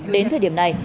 đến thời điểm này